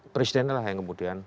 presidennya yang kemudian